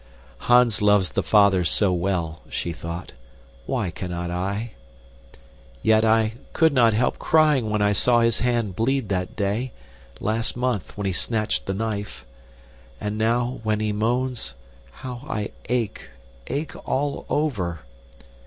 Hans loves the father so well, she thought, why cannot I? Yet I could not help crying when I saw his hand bleed that day, last month, when he snatched the knife and now, when he moans, how I ache, ache all over.